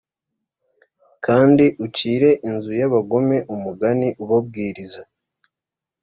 kandi ucire inzu y abagome umugani ubabwiriza